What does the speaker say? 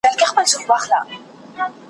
بس په پزه به پېزوان وړي په پېغور کي !.